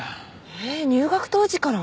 えっ入学当時から？